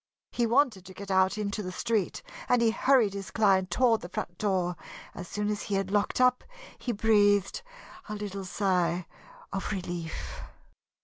He wanted to get out into the street and he hurried his client toward the front door. As soon as he had locked up, he breathed a little sigh of relief.